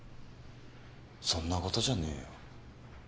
そんなことじゃねえよ。